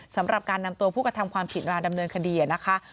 สำหรับการนำตัวผู้กระทำความผิดมาดำเนินคดีนะคะ